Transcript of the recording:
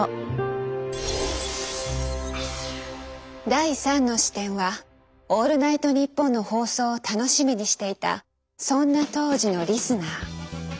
第３の視点は「オールナイトニッポン」の放送を楽しみにしていたそんな当時のリスナー。